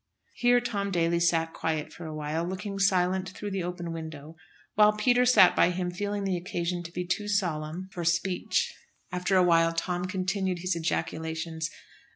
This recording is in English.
Here Tom Daly sat quiet for a while, looking silent through the open window, while Peter sat by him feeling the occasion to be too solemn for speech. After a while Tom continued his ejaculations.